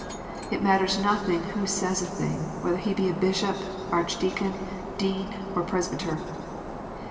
It matters nothing who says a thing, whether he be bishop, archdeacon, dean, or presbyter.